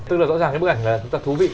tức là rõ ràng bức ảnh này rất là thú vị